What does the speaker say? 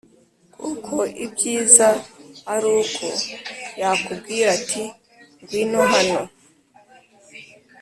kuko ibyiza ari uko yakubwira ati ngwino hano